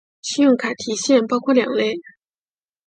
信用卡提现包括两类。